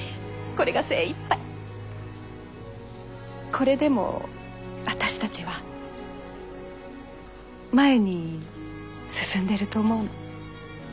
これでも私たちは前に進んでると思うの。